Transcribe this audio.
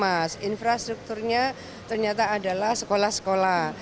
mas infrastrukturnya ternyata adalah sekolah sekolah